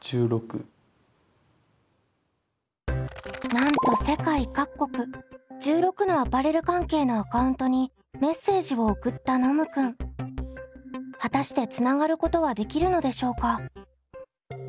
なんと世界各国１６のアパレル関係のアカウントにメッセージを送ったノムくん。果たしてつながることはできるのでしょうか？